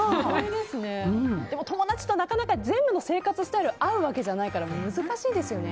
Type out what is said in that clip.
友達となかなか全部の生活スタイルが合うわけじゃないから難しいですよね。